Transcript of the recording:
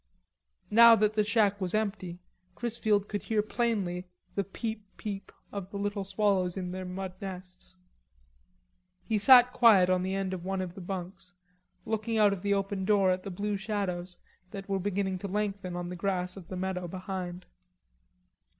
Now that the shack was empty, Chrisfield could hear plainly the peep peep of the little swallows in their mud nests. He sat quiet on the end of one of the bunks, looking out of the open door at the blue shadows that were beginning to lengthen on the grass of the meadow behind.